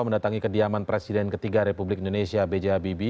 mendatangi kediaman presiden ketiga republik indonesia bghbb